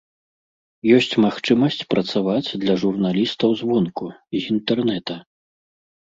Ёсць магчымасць працаваць для журналістаў звонку, з інтэрнэта.